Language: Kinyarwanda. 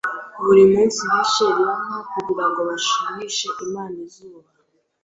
Buri munsi bishe llama kugirango bashimishe Imana izuba.